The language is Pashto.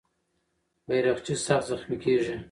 بیرغچی سخت زخمي کېږي.